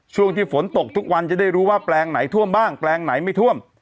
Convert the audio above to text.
ช่วงที่ฝนตกทุกวันจะได้รู้ว่าแปลงไหนท่วมบ้างแปลงไหนไม่ท่วม